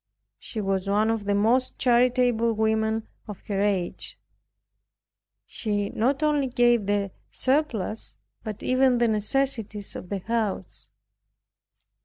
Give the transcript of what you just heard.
She was one of the most charitable women of her age. She not only gave the surplus, but even the necessities of the house.